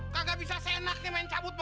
kaga bisa seenak nih main cabut cabut